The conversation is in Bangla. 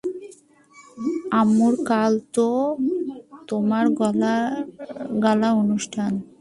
আম্মু, কাল তো তোমার গালা অনুষ্ঠান।